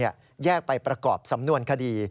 แยกไปประกอบสำนวนคดี